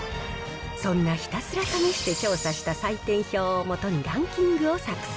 そんなひたすら試して調査した採点表をもとにランキングを作成。